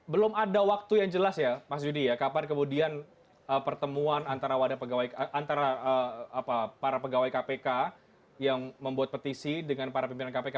belum ada waktu yang jelas ya mas yudi ya kapan kemudian pertemuan antara wadah pegawai antara para pegawai kpk yang membuat petisi dengan para pimpinan kpk